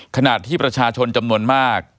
ขณะที่ประชาชนจำนวนมาก